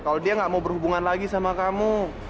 kalau dia gak mau berhubungan lagi sama kamu